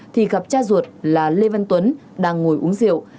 thì gặp cha ruột là lê văn tuấn đang ngồi uống rượu